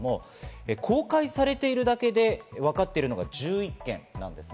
公開されているだけでわかっているのが１１件です。